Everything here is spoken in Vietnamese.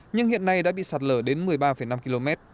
nhưng hiện nay đã bị sạt lở đến một mươi ba năm km